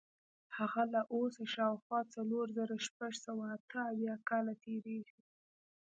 هغه له اوسه شاوخوا څلور زره شپږ سوه اته اویا کاله تېرېږي.